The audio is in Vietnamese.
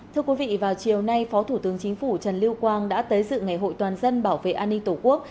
thưa quý vị vào chiều nay phó thủ tướng chính phủ trần lưu quang đã tới dự ngày hội toàn dân bảo vệ an ninh tổ quốc